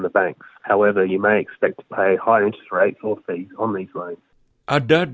penjaman pribadi utama adalah tempat yang akan diambil keamanan